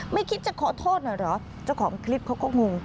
ไม่คิดจะขอโทษหน่อยเหรอเจ้าของคลิปเขาก็งง